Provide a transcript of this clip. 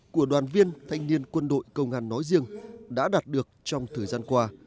của đoàn viên thanh niên quân đội công an nói riêng đã đạt được trong thời gian qua